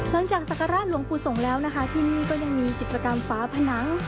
หลังจากสักราชหลวงภูทศงแล้วนะคะที่นี่ก็ยังมีจิตรกรรมฟ้าพนัง